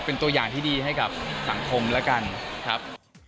เป็นตัวอย่างที่ดีให้กับสังคมแล้วกันครับ